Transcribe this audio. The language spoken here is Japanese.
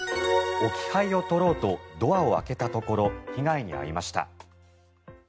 置き配を取ろうとドアを開けたところ被害に遭いました。